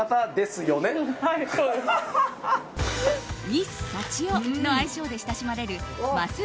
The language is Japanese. ミスさちよの愛称で親しまれるます